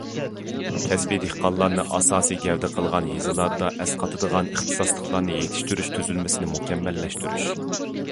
كەسپىي دېھقانلارنى ئاساسىي گەۋدە قىلغان يېزىلاردا ئەسقاتىدىغان ئىختىساسلىقلارنى يېتىشتۈرۈش تۈزۈلمىسىنى مۇكەممەللەشتۈرۈش.